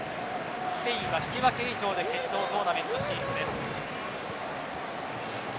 スペインは引き分け以上で決勝トーナメント進出です。